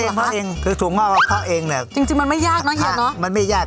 พ่อเองพ่อเองคือถั่วงอกกับพ่อเองเนี้ยจริงจริงมันไม่ยากเนอะเฮียเนอะมันไม่ยาก